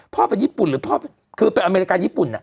พ่อเป็นญี่ปุ่นหรือพ่อคือเป็นอเมริกาญี่ปุ่นอ่ะ